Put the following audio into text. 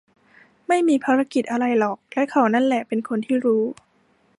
ไม่มีภารกิจอะไรหรอก และเขานั่นแหละเป็นคนที่รู้